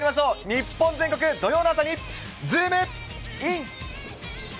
日本全国土曜の朝にズームイン！！